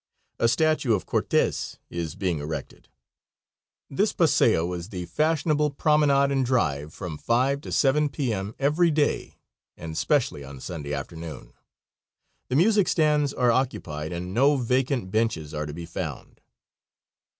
A statue of Cortez is being erected. This paseo is the fashionable promenade and drive from five to seven P. M. every day, and specially on Sunday afternoon. The music stands are occupied, and no vacant benches are to be found.